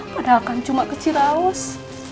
padahal kan cuma kecil aus